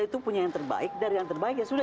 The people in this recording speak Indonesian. itu punya yang terbaik dari yang terbaik ya sudah